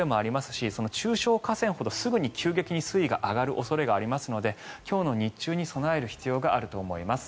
し中小河川ほどすぐに急激に水位が上がる恐れがありますので今日の日中に備える必要があると思います。